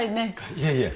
いやいや。